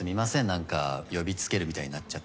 何か呼びつけるみたいになっちゃって。